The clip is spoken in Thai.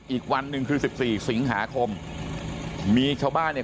อีกวันหนึ่งคือสิบสี่สิงหาคมมีชาวบ้านเนี่ย